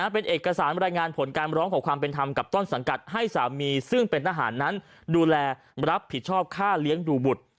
เป็นเอกสารบรรยายงานผลการร้องขอความเป็นธรรมกับต้นสังกัดให้สามีซึ่งเป็นทหารนั้นดูแลรับผิดชอบค่าเลี้ยงดูบุตร